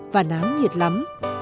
và nán nhiệt lắm